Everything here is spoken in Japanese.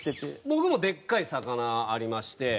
僕もでっかい魚ありまして。